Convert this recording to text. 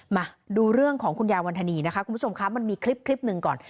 มาดูเรื่องของคุณยายวันธนีนะคะคุณผู้ชมคะมันมีคลิปหนึ่งก่อน